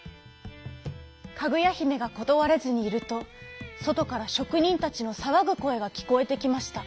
かぐやひめがことわれずにいるとそとからしょくにんたちのさわぐこえがきこえてきました。